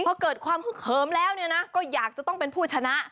พอเกิดความฮึกเหิมแล้วเนี่ยนะก็อยากจะต้องเป็นผู้ชนะ